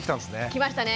来ましたね